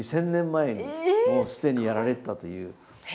２０００年前にもう既にやられてたという。